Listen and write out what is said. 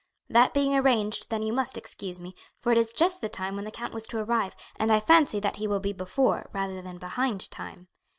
"That being arranged then you must excuse me, for it is just the time when the count was to arrive, and I fancy that he will be before rather than behind time."